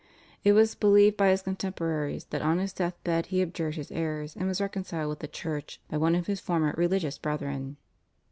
It was believed by his contemporaries that on his death bed he abjured his errors, and was reconciled with the Church by one of his former religious brethren.